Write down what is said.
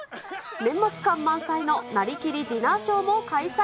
年末感満載のなりきりディナーショーも開催。